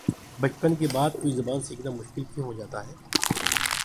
بچپن کے بعد کوئی زبان سیکھنا مشکل کیوں ہوجاتا ہے